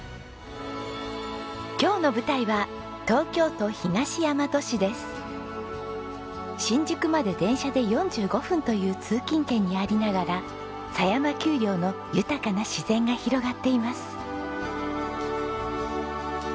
今日の舞台は新宿まで電車で４５分という通勤圏にありながら狭山丘陵の豊かな自然が広がっています。